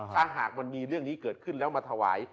ถ้าหากมันมีเรื่องนี้เกิดขึ้นแล้วมาถวาย